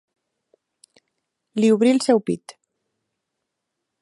Li obrí el seu pit.